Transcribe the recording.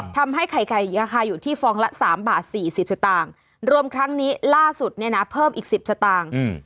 ทำให้ไข่ไก่ราคาอยู่ที่ฟองละ๓บาท๔๐สตางค์รวมครั้งนี้ล่าสุดเนี่ยนะเพิ่มอีก๑๐สตางค์